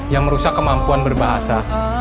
yang merusak kemampuan berbahasa